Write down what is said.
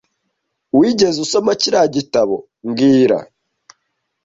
Wigeze usoma kiriya gitabo mbwira